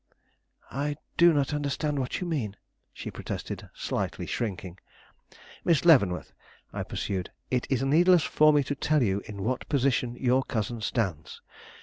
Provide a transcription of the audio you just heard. "I do not understand what you mean," she protested, slightly shrinking. "Miss Leavenworth," I pursued, "it is needless for me to tell you in what position your cousin stands.